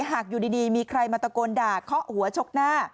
หากอยู่ดีมีใครมาตะกรด่าเขาอันหัวชกหน้า